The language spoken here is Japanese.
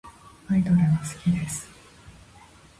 アイドルが好きです。